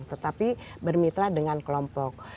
tetapi bermitra dengan kelompok